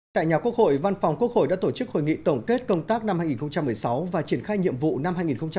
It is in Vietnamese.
tại nhà quốc hội văn phòng quốc hội đã tổ chức hội nghị tổng kết công tác năm hai nghìn một mươi sáu và triển khai nhiệm vụ năm hai nghìn hai mươi